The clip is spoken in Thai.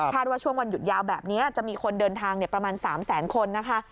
ว่าช่วงวันหยุดยาวแบบนี้จะมีคนเดินทางประมาณ๓แสนคนนะคะ